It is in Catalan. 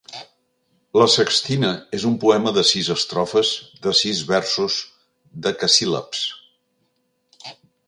La sextina és un poema de sis estrofes de sis versos decasíl·labs.